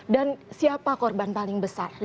dan siapa korban paling besar